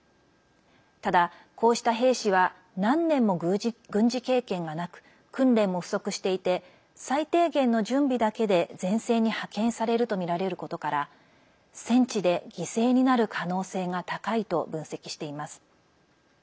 ただ、こうした兵士は何年も軍事経験がなく訓練も不足していて最低限の準備だけで前線に派遣されるとみられることから戦地で犠牲になる可能性が高いと分析しています。